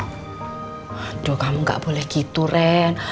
aduh kamu gak boleh gitu ren